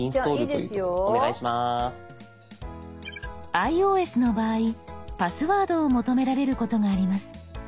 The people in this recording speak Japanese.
ｉＯＳの場合パスワードを求められることがあります。